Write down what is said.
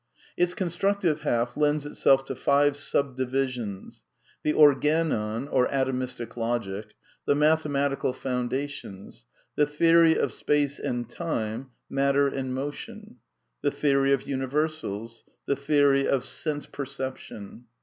Its constructive half lends itself to five subdivisions: The Organon, or Atomistic Logic; the Mathematical Foundations ; the Theory of Space and Time, Matter and Motion; the Theory of Universals; the Theory of Sense Perception.